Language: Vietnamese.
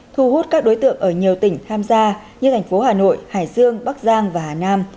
thu hút các đối tượng ở nhiều tỉnh tham gia như thành phố hà nội hải dương bắc giang và hà nam